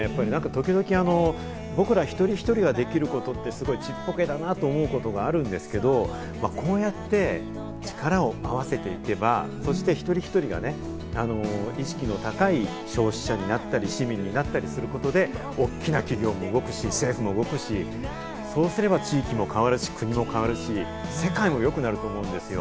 時々僕ら、一人一人ができることってちっぽけだなと思うことがあるんですけど、まぁ、こうやって力を合わせていけば、そして一人一人が意識の高い消費者になったり市民になったりすることで、大きな企業も動くし、政府も動くし、そうすれば地域も変わるし国も変わるし、世界もよくなると思うんですよ。